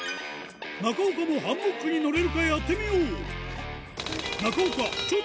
中岡もハンモックに乗れるかやってみよう！